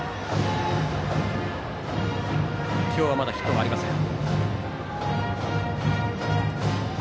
今日はまだヒットがありません。